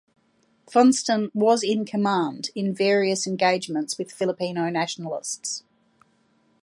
Funston was in command in various engagements with Filipino nationalists.